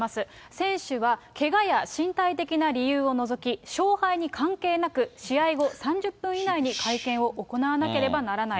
選手はけがや身体的な理由を除き、勝敗に関係なく試合後３０分以内に会見を行わなければならない。